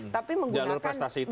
tapi menggunakan jalur prestasi